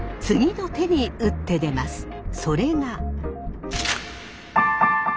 次の手に打って出ます。